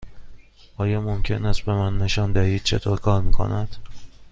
آیا ممکن است به من نشان دهید چطور کار می کند؟